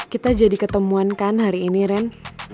kita jadi ketemuankan hari ini ren